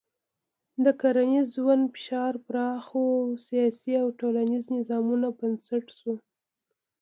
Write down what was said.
د کرنیز ژوند فشار پراخو سیاسي او ټولنیزو نظامونو بنسټ شو.